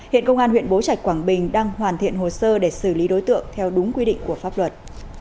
hiện công an huyện bố trạch quảng bình đang hoàn thiện hồ sơ để xử lý đối tượng theo đúng quy định của pháp luật